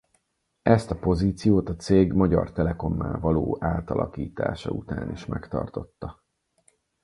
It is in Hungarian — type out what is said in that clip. Ezt a pozíciót a cég Magyar Telekommá való átalakítása után is megtartotta.